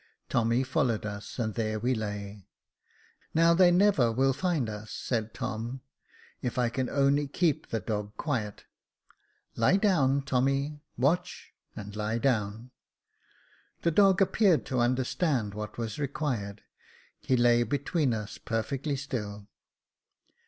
Tommy followed us, and there we lay. " Now they never will find us," said Tom, " if I can only keep the dog quiet. Lie down. Tommy. Watch, and lie down." The dog appeared to understand what was required j he lay between us perfectly still.